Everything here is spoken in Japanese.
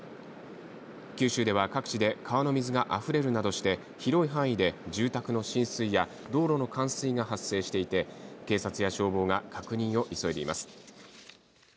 九州では各地で川の水があふれるなどして広い範囲で住宅の浸水や道路の冠水が発生していて警察や消防が確認を急いでいます。